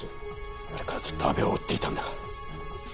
あれからずっと阿部を追っていたんだが。